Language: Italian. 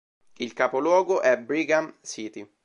Il capoluogo è Brigham City.